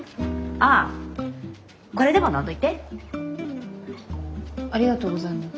ありがとうございます。